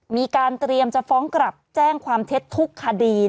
มีการเตรียมจะฟ้องกลับแจ้งความเท็จทุกคดี